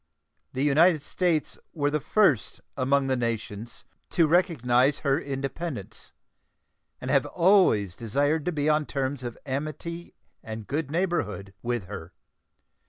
The United States were the first among the nations to recognize her independence, and have always desired to be on terms of amity and good neighborhood with her.